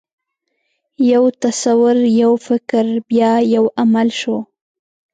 یو تصور، یو فکر، بیا یو عمل شو.